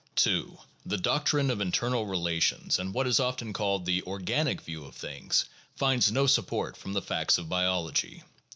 2. The doctrine of internal relations and what is often called the "organic" view of things find no support from the facts of biology.